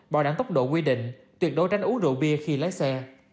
bảo đảm tốc độ quy định tuyệt đối tranh uống rượu bia khi lái xe